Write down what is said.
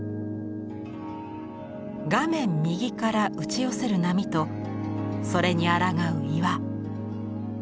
画面右から打ち寄せる波とそれにあらがう岩。